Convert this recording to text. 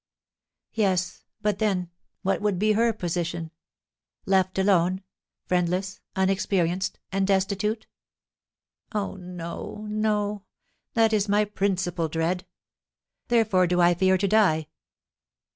Yes; but, then, what would be her position, left alone, friendless, unexperienced, and destitute? Oh, no, no, that is my principal dread; therefore do I fear to die.